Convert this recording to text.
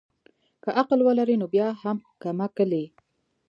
که عقل ولري نو بيا هم کم عقل يي